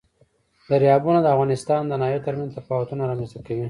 دریابونه د افغانستان د ناحیو ترمنځ تفاوتونه رامنځ ته کوي.